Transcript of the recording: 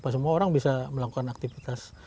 semua orang bisa melakukan aktivitas